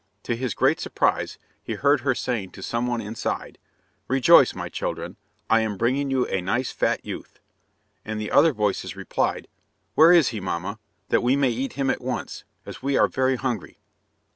To his great surprise, he heard her saying to some one inside, "Rejoice my children; I am bringing you a nice fat youth." And other voices replied, "Where is he, mamma, that we may eat him at once, as we are very hungry?"